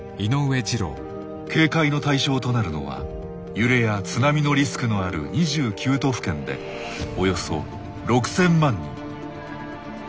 警戒の対象となるのは揺れや津波のリスクのある２９都府県でおよそ６，０００万人。